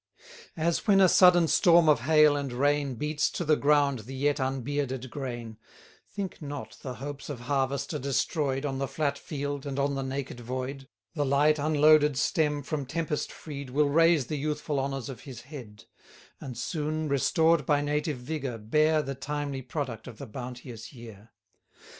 As when a sudden storm of hail and rain 260 Beats to the ground the yet unbearded grain, Think not the hopes of harvest are destroy'd On the flat field, and on the naked void; The light unloaded stem, from tempest freed, Will raise the youthful honours of his head; And soon, restored by native vigour, bear The timely product of the bounteous year.